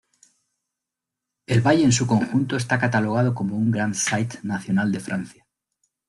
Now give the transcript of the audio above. El valle en su conjunto está catalogado como un Grand site national de Francia.